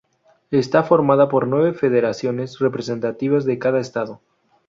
Está formada por nueve federaciones representativas de cada estado.